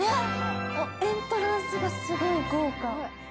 エントランスがすごい豪華。